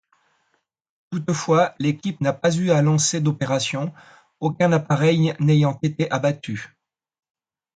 Toutefois l'équipe n'a pas eu à lancer d'opérations, aucun appareil n'ayant été abattu.